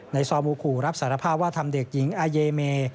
ซอมูขู่รับสารภาพว่าทำเด็กหญิงอาเยเม